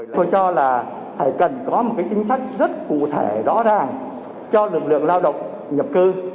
tôi cho là phải cần có một chính sách rất cụ thể rõ ràng cho lực lượng lao động nhập cư